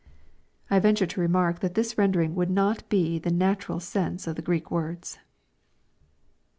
I venture the remark that this rendering would not be the natu ral sense of the Greek words.